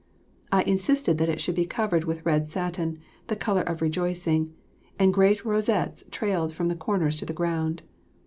I insisted that it should be covered with red satin, the colour of rejoicing; and great rosettes trailed from the corners to the ground.